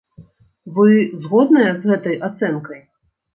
Вы згодныя з гэтай ацэнкай?